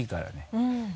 うん。